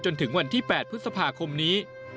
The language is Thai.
จนถึงวันที่๘พฤษภาคมนี้